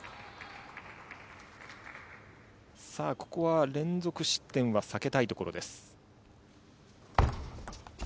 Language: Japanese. さあ、ここは連続失点は避けたいところです。